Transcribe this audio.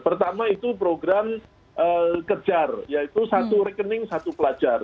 pertama itu program kejar yaitu satu rekening satu pelajar